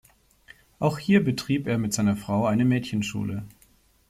Auch hier betrieb er mit seiner Frau eine Mädchenschule.